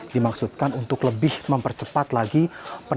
dimaksudkan untuk lebih mempersiapkan untuk menjaga keamanan